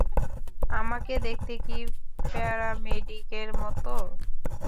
আমাকে দেখতে কি প্যারামেডিকের মতো?